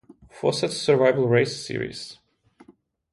Fawcett's Survival Race series.